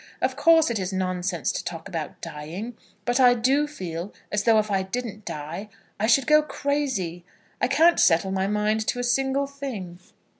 Of course it is nonsense to talk about dying, but I do feel as though if I didn't die I should go crazy. I can't settle my mind to a single thing."